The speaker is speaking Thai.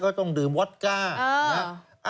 ก็ต้องดื่มวอตก้า